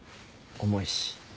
重いし。